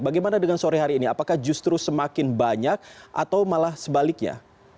bagaimana dengan sore hari ini apakah justru semakin banyak atau malah sebaliknya